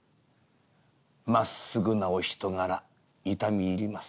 「まっすぐなお人柄痛み入ります。